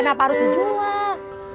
kenapa harus dijual